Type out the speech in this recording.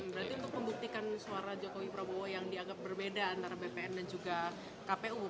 berarti untuk membuktikan suara jokowi prabowo yang dianggap berbeda antara bpn dan juga kpu